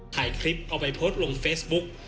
ถ่ายคลิปเอาไปโพสต์ลงเฟซบุ๊ก